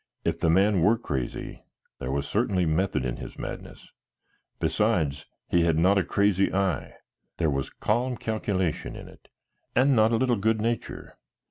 If the man were crazy, there was certainly method in his madness. Besides, he had not a crazy eye; there was calm calculation in it and not a little good nature.